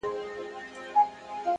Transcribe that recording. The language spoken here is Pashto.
صبر د ستونزو تر ټولو نرم ځواب دی.